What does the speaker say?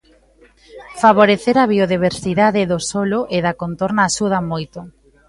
Favorecer a biodiversidade do solo e da contorna axuda moito.